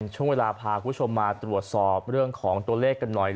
พาคุณผู้ชมมาตรวจสอบเรื่องของตัวเลขกันหน่อย